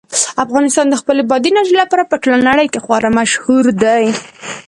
افغانستان د خپلې بادي انرژي لپاره په ټوله نړۍ کې خورا مشهور دی.